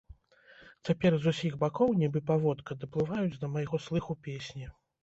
Цяпер з усіх бакоў, нібы паводка, даплываюць да майго слыху песні.